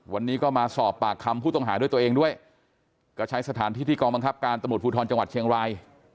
วันนี้ก็มาสอบปากคำผู้ต้องหาด้วยตัวเองด้วยก็ใช้สถานที่ที่กองบังคับการตำรวจภูทรจังหวัดเชียงราย